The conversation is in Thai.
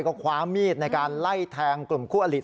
ก็คว้ามีดในการไล่แทงกลุ่มคู่อลิ